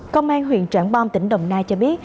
công an huyện trảng bom tỉnh đồng nai cho biết